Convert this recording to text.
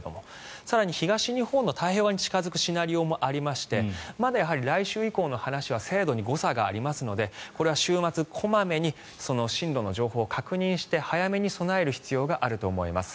更に東日本の太平洋側に上陸するシナリオもありましてまだ来週以降の話は精度に誤差がありますのでこれは週末小まめに進路の情報を確認して早めに備える必要があると思います。